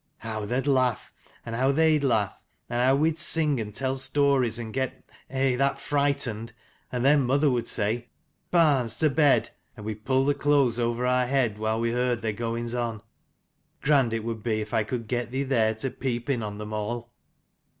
How thou'd laugh, and how they'd laugh : and how we'd sing and tell stories, and get eh, that frightened, and then mother would say ' Barns to bed,' and we'd pull the clothes over our heads while we heard their goings on. Grand it would be if I could get thee there to peep in on them all."